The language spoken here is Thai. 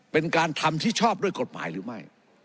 เป็นการทำที่ชอบด้วยกฎหมายหรือไม่